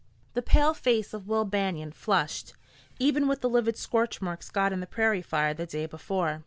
The pale face of Will Banion flushed, even with the livid scorch marks got in the prairie fire the day before.